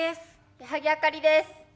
矢作あかりです。